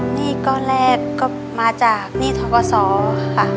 หนี้ก้อนแรกก็มาจากหนี้ทกศค่ะ